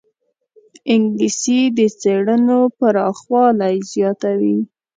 انګلیسي د څېړنو پراخوالی زیاتوي